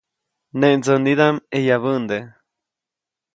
Neʼ ndsänidaʼm ʼeyabände.